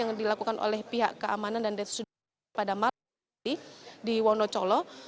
yang dilakukan oleh pihak keamanan dan pada malam tadi di wonocolo